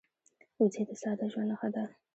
وزې د ساده ژوند نښه ده